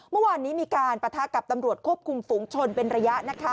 เมื่อวานนี้มีการปะทะกับตำรวจควบคุมฝูงชนเป็นระยะ